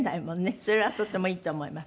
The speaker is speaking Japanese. それはとってもいいと思います。